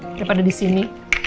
daripada di sini